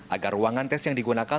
agar ruangan tes yang digunakan